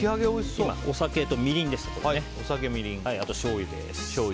お酒とみりんそして、しょうゆです。